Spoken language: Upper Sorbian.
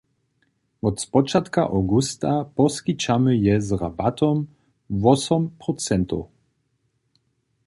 Wot spočatka awgusta poskićamy je z rabatom wosom procentow.